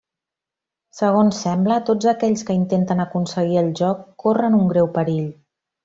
Segons sembla, tots aquells que intenten aconseguir el joc corren un greu perill.